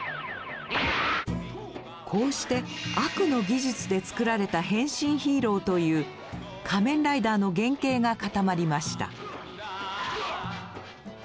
こうして「悪の技術で作られた変身ヒーロー」という仮面ライダーの原型が固まりました。